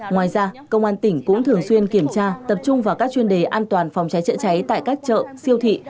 ngoài ra công an tỉnh cũng thường xuyên kiểm tra tập trung vào các chuyên đề an toàn phòng cháy chữa cháy tại các chợ siêu thị